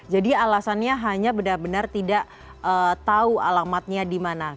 alasannya hanya benar benar tidak tahu alamatnya di mana